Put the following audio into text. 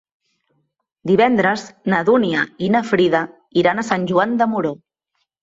Divendres na Dúnia i na Frida iran a Sant Joan de Moró.